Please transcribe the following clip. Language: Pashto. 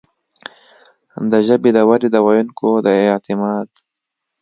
د ژبې د ودې، د ویونکو د اعتماد